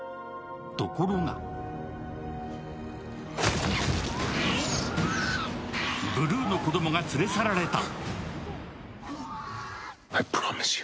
ところがブルーの子供が連れ去られた。